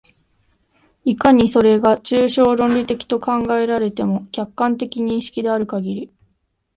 いかにそれが抽象論理的と考えられても、客観的認識であるかぎり、